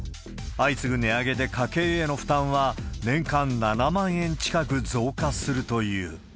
相次ぐ値上げで家計への負担は年間７万円近く増加するという。